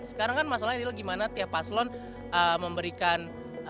sekarang kan masalahnya adalah gimana tiap paslon memberikan